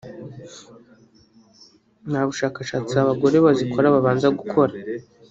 Nta bushakashatsi abagore bazikora babanza gukora